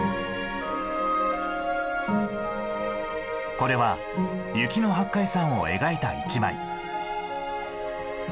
これは雪の八海山を描いた一枚。